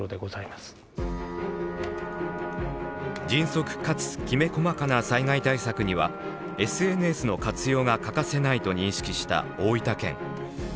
迅速かつきめ細かな災害対策にはＳＮＳの活用が欠かせないと認識した大分県。